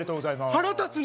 腹立つな！